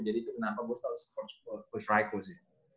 jadi itu kenapa gue selalu coach rajko sih